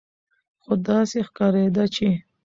خو داسې ښکارېده چې